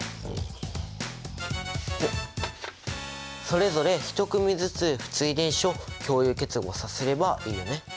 それぞれ１組ずつ不対電子を共有結合させればいいよね。